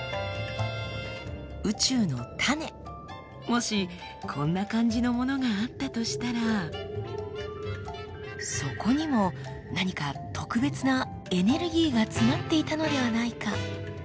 もしこんな感じのものがあったとしたらそこにも何か特別なエネルギーが詰まっていたのではないか？